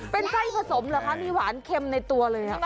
เป็นใส่ผสมหรือคะมีหวานเค็มแล้วจริง